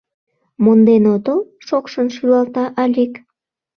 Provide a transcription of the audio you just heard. — Монден отыл? — шокшын шӱлалта Алик.